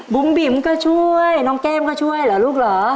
บิ๋มก็ช่วยน้องแก้มก็ช่วยเหรอลูกเหรอ